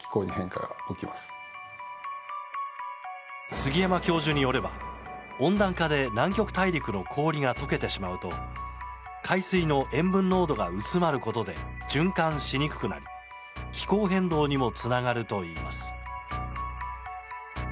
杉山教授によれば温暖化で南極大陸の氷が解けてしまうと海水の塩分濃度が薄まることで循環しにくくなり気候変動にもつながるといいます。